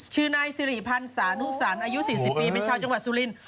ชื่อนายสิริพันธ์สานุสันอายุ๔๐ปีเป็นชาวจังหวัดสุริน